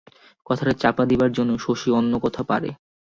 কথাটা চাপা দিবার জন্য শশী অন্য কথা পাড়ে।